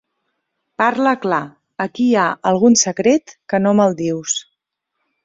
Parla clar. Aquí hi ha algun secret que no me'l dius.